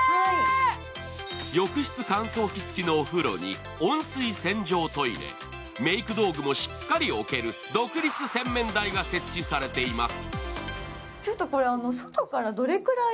浴室乾燥機付きのお風呂に温水洗浄トイレ、メイク道具もしっかり置ける独立洗面台が設置されています。